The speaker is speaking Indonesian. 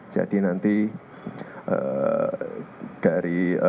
jadi nanti dari presiden